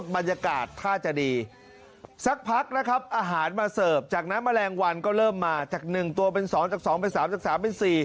บรรยากาศท่าจะดีสักพักนะครับอาหารมาเสิร์ฟจากนั้นแมลงวันก็เริ่มมาจาก๑ตัวเป็น๒จาก๒เป็น๓จาก๓เป็น๔